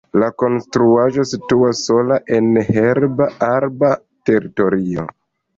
La konstruaĵo situas sola en herba-arba teritorio.